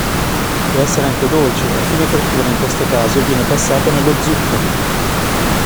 Può essere anche dolce, a fine frittura, in questo caso viene passata nello zucchero.